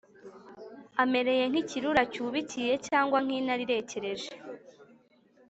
Amereye nk’ikirura cyubikiye cyangwa nk’intare irekereje;